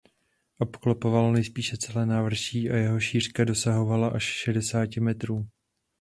Obklopoval nejspíše celé návrší a jeho šířka dosahovala až šedesáti metrů.